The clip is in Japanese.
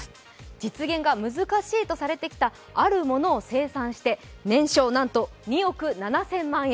実現が難しいとされてきたあるものを生産して年商なんと２億７０００万円。